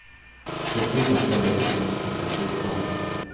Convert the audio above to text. Su club actual es Santa Cruz Warriors.